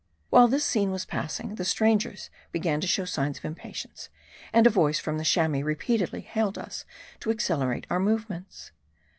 While this scene was passing, the strangers began to show signs of impatience , and a voice from the Chamois repeatedly hailed us to accelerate our movements.